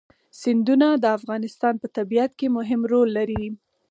سیندونه د افغانستان په طبیعت کې مهم رول لري.